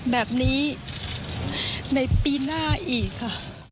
แบบนี้ในปีหน้าอีกค่ะ